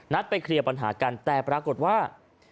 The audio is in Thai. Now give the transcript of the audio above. ไปเคลียร์ปัญหากันแต่ปรากฏว่า